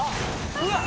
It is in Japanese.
⁉うわっ！